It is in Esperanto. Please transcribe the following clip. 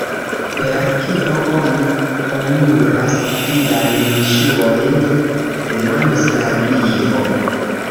"Per kio oni poluras viajn ŝuojn?" demandis la Grifo.